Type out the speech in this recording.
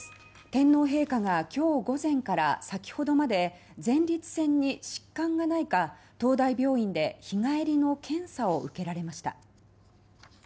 天皇陛下が今日午前から先ほどまで前立腺に疾患がないか東大病院で日帰りの検査を受けられました。